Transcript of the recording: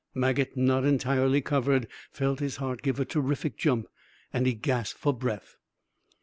Maget, not entirely covered, felt his heart give a terrific jump, and he gasped for breath.